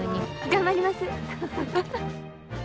頑張ります。